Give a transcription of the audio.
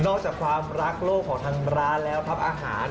จากความรักโลกของทางร้านแล้วครับอาหาร